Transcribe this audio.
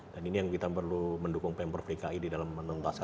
dan ini yang kita perlu mendukung pemprov dki di dalam menuntaskan